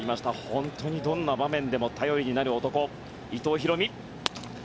本当にどんな場面でも頼りになる男、伊藤大海。